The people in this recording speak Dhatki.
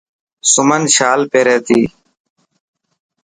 سمن شال پيري تي.